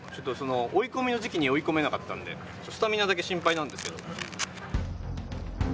追い込みの時期に追い込めなかったんでスタミナだけ心配なんですけど。